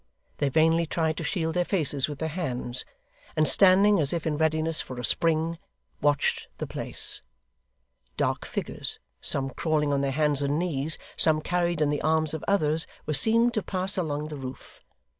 They vainly tried to shield their faces with their hands, and standing as if in readiness for a spring, watched the place. Dark figures, some crawling on their hands and knees, some carried in the arms of others, were seen to pass along the roof.